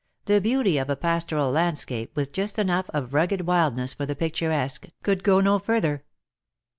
The beauty of a pastoral landscape, with just enough of rugged wildness for the picturesque, could go no further.